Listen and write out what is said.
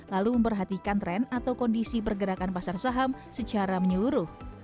lalu memperhatikan tren atau kondisi pergerakan pasar saham secara menyeluruh